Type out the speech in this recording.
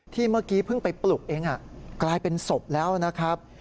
เมื่อกี้เพิ่งไปปลุกเองกลายเป็นศพแล้วนะครับ